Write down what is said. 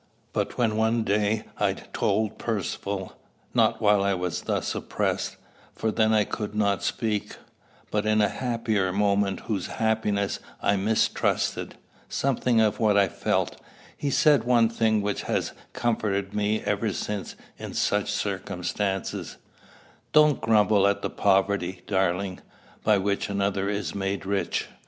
But when one day I told Percivale not while I was thus oppressed, for then I could not speak; but in a happier moment whose happiness I mistrusted something of what I felt, he said one thing which has comforted me ever since in such circumstances: "Don't grumble at the poverty, darling, by which another is made rich."